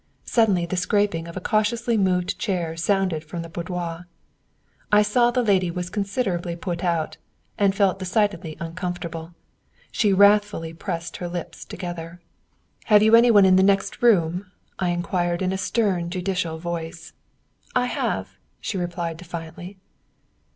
Suddenly the scraping of a cautiously moved chair sounded from the boudoir. I saw that the lady was considerably put out, and felt decidedly uncomfortable. She wrathfully pressed her lips together. "Have you any one in the next room?" I inquired, in a stern, judicial voice. "I have!" she replied defiantly.